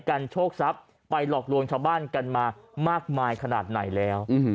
โชคทรัพย์ไปหลอกลวงชาวบ้านกันมามากมายขนาดไหนแล้ว